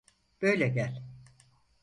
Böyle gel.